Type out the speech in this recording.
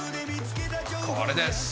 これです。